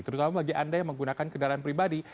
terutama bagi anda yang menggunakan kendaraan pribadi